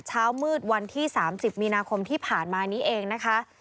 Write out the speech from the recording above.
เช้ามืดวันที่๓๐มีนาคมที่ผ่านมานี้เองนะคะ